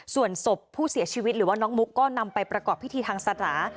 ส่วนศพผู้เสียชีวิตหรือว่าน้องมุกก็นำไปประกอบพิธีทางศาสนา